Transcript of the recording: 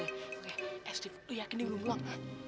oke steve lu yakin dia belum pulang